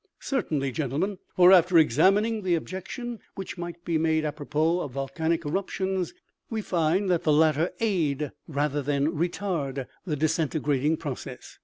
OMEGA. 8 9 " Certainly, gentlemen ; for, after examining the objec tion which might be made apropos of volcanic eruptions, we find that the latter aid rather than retard the disinte grating process.